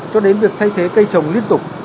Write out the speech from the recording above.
cho đến việc thay thế cây trồng liên tục